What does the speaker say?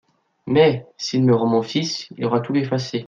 Mais, s'il me rend mon fils, il aura tout effacé.